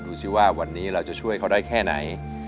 ดูสิว่าวันนี้เราจะช่วยเขาได้แค่ไหน